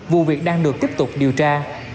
vụ việc đang được tiếp tục điều tra